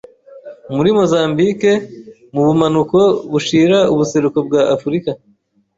muri Mozambike mu bumanuko bushira ubuseruko bwa Afrika.